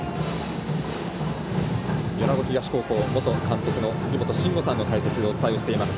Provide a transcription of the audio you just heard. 米子東高校元監督の杉本真吾さんの解説でお伝えしています。